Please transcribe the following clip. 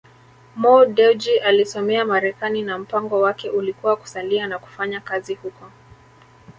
Mo Dewji alisomea Marekani na mpango wake ulikuwa kusalia na kufanya kazi huko